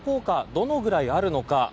どれくらいあるのか。